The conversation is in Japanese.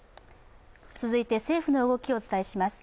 続いて政府の動きをお伝えします。